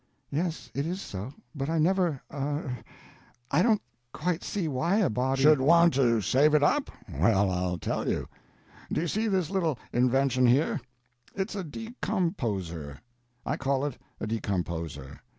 "Yes it is so—but I never—er—I don't quite see why a body—" "Should want to save it up? Well, I'll tell you. Do you see this little invention here?—it's a decomposer—I call it a decomposer.